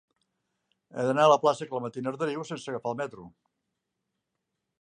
He d'anar a la plaça de Clementina Arderiu sense agafar el metro.